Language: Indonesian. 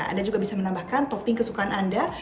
anda juga bisa menambahkan topping kesukaan anda